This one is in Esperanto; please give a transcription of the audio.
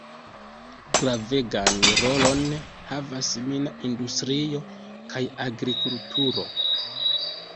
Gravegan rolon havas mina industrio kaj agrikulturo.